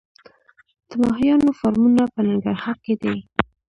د ماهیانو فارمونه په ننګرهار کې دي